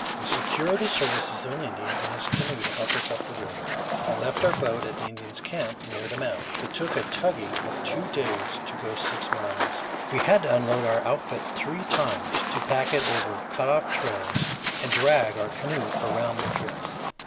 We secured the services of an Indian and his canoe to help us up the river, and left our boat at the Indians' camp near the mouth. It took a tugging of two days to go six miles. We had to unload our outfit three times to pack it over cut off trails, and drag our canoe around the drifts.